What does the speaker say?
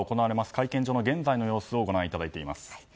会見場の現在の様子をご覧いただいています。